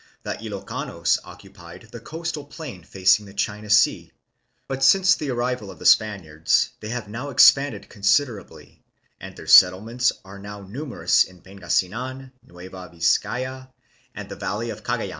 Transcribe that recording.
The Ilokanos occupied the coastal plain facing the China Sea, but since the arrival of the Spaniards they .have expanded considerably and their settlements are now numerous in Parigasinan, Nueva Vizcaya, and the valley of the Cagayan.